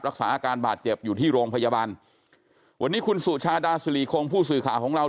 รักษาอาการบาดเจ็บอยู่ที่โรงพยาบาลวันนี้คุณสุชาดาสุริคงผู้สื่อข่าวของเรา